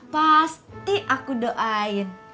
pasti aku doain